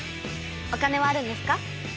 お金はあるんですか？